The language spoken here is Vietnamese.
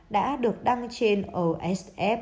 đã được đăng trên osf